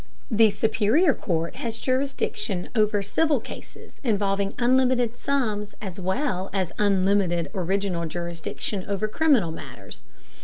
The superior court has jurisdiction over civil cases involving unlimited sums, as well as unlimited original jurisdiction over criminal matters.